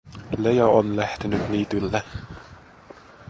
Leja on lähtenyt niitylle.